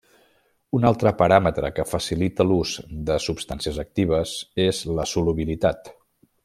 Un altre paràmetre que facilita l'ús de substàncies actives és la solubilitat.